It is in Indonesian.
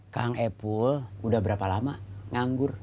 kang epul udah berapa lama nganggur